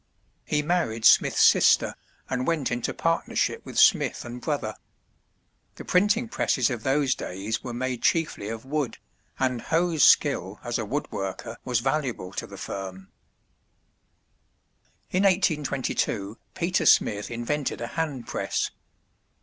He married Smith's sister, and went into partnership with Smith and brother. The printing presses of those days were made chiefly of wood, and Hoe's skill as a wood worker was valuable to the firm. In 1822 Peter Smith invented a hand press.